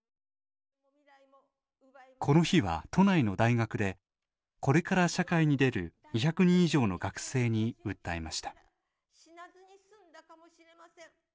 この日は都内の大学でこれから社会に出る２００人以上の学生に訴えました。